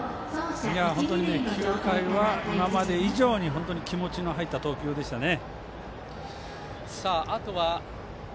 本当に９回は今まで以上に本当に気持ちの入った投球でしたね。